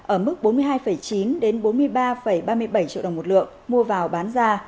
ở mức bốn mươi hai chín bốn mươi ba ba mươi bảy triệu đồng một lượng mua vào bán ra